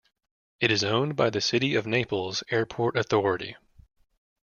It is owned by the City of Naples Airport Authority.